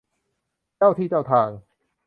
เจ้าที่เจ้าทาง